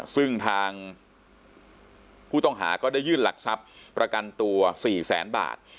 ซึ่งทางผู้ต้องหาก็ได้ยื่นหลักทรัพย์ประกันตัว๔แสนบาท